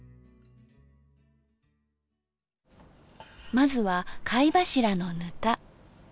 まずは貝柱のぬた。